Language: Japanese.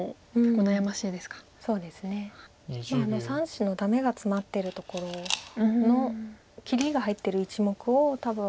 ３子のダメがツマってるところの切りが入ってる１目を多分。